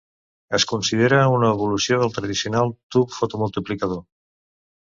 Es considera una evolució del tradicional tub fotomultiplicador.